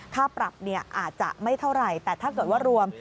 ค่าปรับอาจจะไม่เท่าไหร่แต่ถ้าเกิดว่ารวม